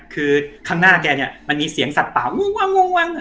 คือข้างหน้าแกเนี่ยมันมีเสียงสัตว์เป่าง่วง